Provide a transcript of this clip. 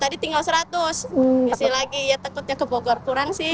tadi tinggal seratus isi lagi ya takutnya ke bogor kurang sih